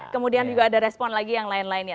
kemudian juga ada respon lagi yang lain lainnya